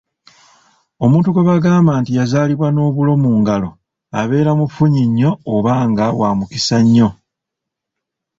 Omuntu gwe bagamba nti yazaalibwa n'obulo mu ngalo abeera mufunyi nnyo oba nga wa mukisa nnyo